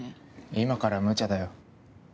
今からはむちゃだよ。